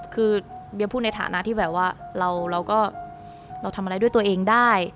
คือเบียพูดในฐานะที่แบบว่าเราก็เราทำอะไรด้วยตัวเองได้